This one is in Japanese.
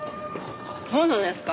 そうなんですか。